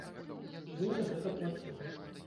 І мы за гэта плацілі.